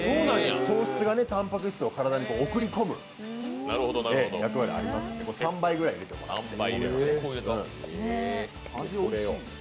糖質がたんぱく質を体に送り込む役割ありますので３杯くらい入れてもらって。